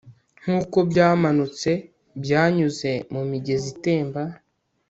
Nkuko byamanutse byanyuze mumigezi itemba